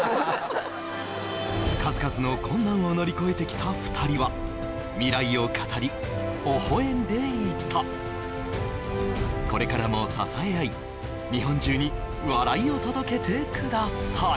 数々の困難を乗り越えてきた２人は未来を語りほほ笑んでいたこれからも支え合い日本中に笑いを届けてください